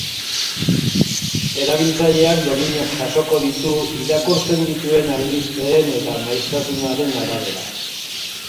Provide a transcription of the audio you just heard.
Erabiltzaileak dominak jasoko ditu irakurtzen dituen albisteen eta maiztasunaren arabera.